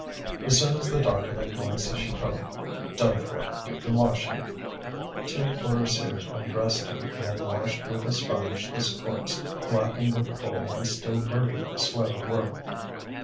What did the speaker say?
As soon as the doctor had glanced at Chicot: "Done for! You can wash him." Two overseers undressed and then washed with a sponge this corpse blackened with coal and still dirty with the sweat of work.